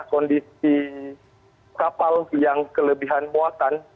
kondisi kapal yang kelebihan muatan